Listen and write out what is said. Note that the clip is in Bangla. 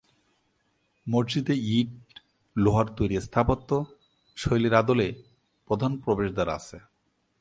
মসজিদে ইট, লোহার তৈরি স্থাপত্য শৈলীর আদলে প্রধান প্রবেশদ্বার আছে।